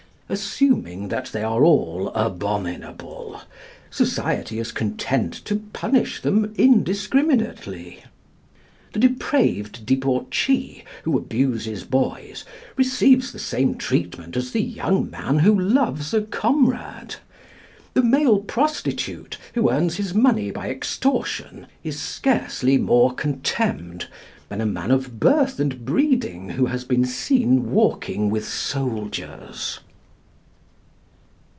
Assuming that they are all abominable, society is content to punish them indiscriminately. The depraved debauchee who abuses boys receives the same treatment as the young man who loves a comrade. The male prostitute who earns his money by extortion is scarcely more contemned than a man of birth and breeding who has been seen walking with soldiers.